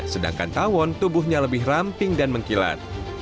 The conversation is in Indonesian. sedangkan tawon tubuhnya lebih ramping dan mengkilat